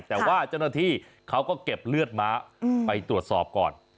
แต่ว่าเจ้าหน้าที่เขาก็เก็บเลือดม้าไปตรวจสอบก่อน